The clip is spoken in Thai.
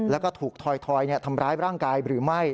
แล้วก็ถูกถอยทำร้ายร่างกายหรือไม่